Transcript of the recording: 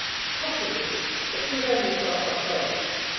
Possibly, but she was only twelve months old!